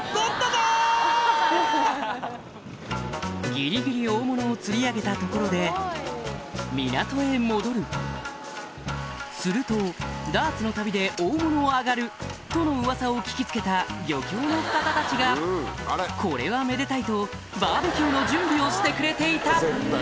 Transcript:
ギリギリ大物を釣り上げたところで港へ戻るするとダーツの旅で大物上がるとのウワサを聞き付けた漁協の方たちがこれはめでたいとバーベキューの準備をしてくれていた